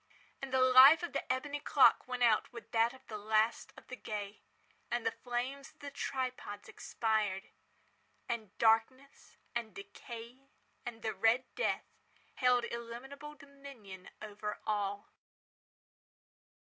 And the life of the ebony clock went out with that of the last of the gay. And the flames of the tripods expired. And Darkness and Decay and the Red Death held illimitable dominion over all.